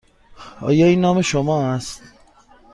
آیا این نام شما است؟